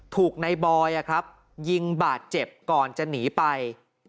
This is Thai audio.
ถูกในบอยยิงบาดเจ็บก่อนจะหนีไป